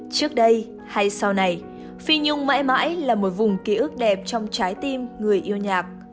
trước đây hay sau này phi nhung mãi mãi là một vùng ký ức đẹp trong trái tim người yêu nhạc